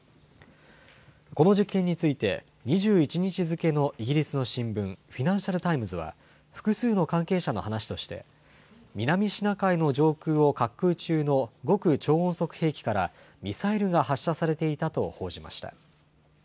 この実験について、２１日付のイギリスの新聞、フィナンシャル・タイムズは、複数の関係者の話として、南シナ海の上空を滑空中の極超音速兵器からミサイルが発射されていたと報じました。